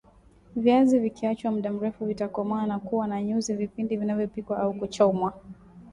viazi vikiachwa mda mrefu vitakomaa na kuwa na nyuzi vipindi vinapikwa au kuchomwa